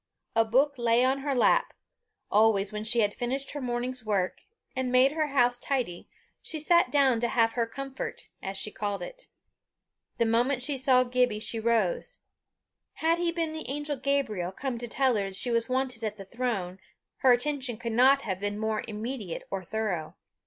A book lay on her lap: always when she had finished her morning's work, and made her house tidy, she sat down to have her comfort, as she called it. The moment she saw Gibbie she rose. Had he been the angel Gabriel, come to tell her she was wanted at the throne, her attention could not have been more immediate or thorough.